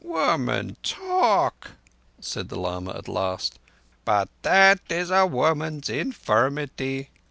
"Women talk," said the lama at last, "but that is a woman's infirmity.